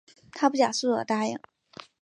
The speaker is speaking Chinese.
她不假思索的答应